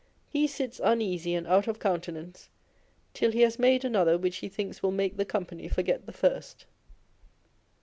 He sits uneasy and out of coun tenance till he has made another which he thinks will make the company forget the first.